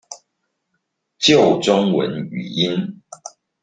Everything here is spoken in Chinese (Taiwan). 救中文語音